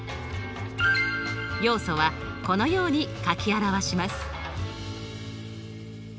要素はこのように書き表します。